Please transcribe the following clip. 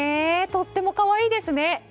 とっても可愛いですね。